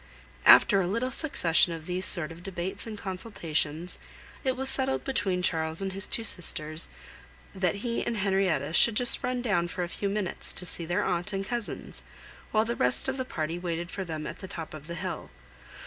After a little succession of these sort of debates and consultations, it was settled between Charles and his two sisters, that he and Henrietta should just run down for a few minutes, to see their aunt and cousins, while the rest of the party waited for them at the top of the hill.